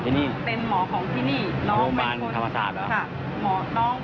นึ่งเม็ดเม็ดเท่านั้นพอทานไปสักครั้ง